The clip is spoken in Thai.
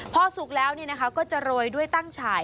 พอสุกแล้วก็จะโรยด้วยตั้งฉาย